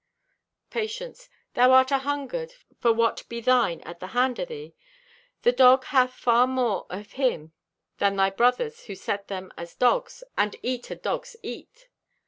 Patience.—"Thou art ahungered for what be thine at the hand o' thee. Thy dog hath far more o' Him than thy brothers who set them as dogs and eat o' dog's eat.